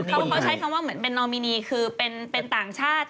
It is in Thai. เขาใช้คำว่าเหมือนเป็นนอมินีคือเป็นต่างชาติ